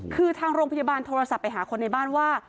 คือทางโรงพยาบาลโทรศัพท์ไปหาคนในบ้านว่า